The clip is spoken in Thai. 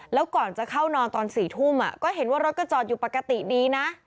แล้วก่อนจะเข้านอนตอน๔ทุ่มก็เห็นว่ารถก็จอดอยู่ปกติดีนะ